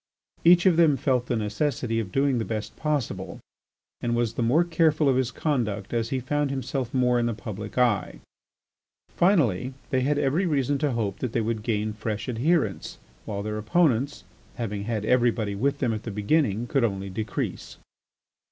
Each of them felt the necessity of doing the best possible and was the more careful of his conduct as he found himself more in the public eye. Finally, they had every reason to hope that they would gain fresh adherents, while their opponents, having had everybody with them at the beginning, could only decrease.